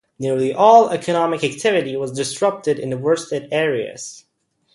Nearly all economic activity was disrupted in the worst-hit areas.